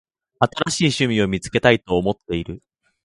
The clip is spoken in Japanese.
新しい趣味を見つけたいと思っている。